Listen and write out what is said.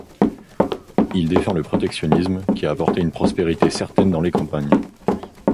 Il défend le protectionnisme qui a apporté une prospérité certaine dans les campagnes.